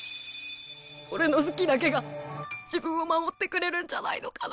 俺の「好き」だけが自分を守ってくれるんじゃないのかな。